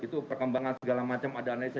itu perkembangan segala macam ada analisa